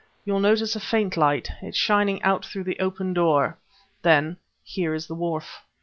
"You'll notice a faint light; it's shining out through the open door. Then, here is the wharf."